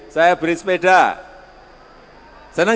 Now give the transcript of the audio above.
saya ch beda penda resident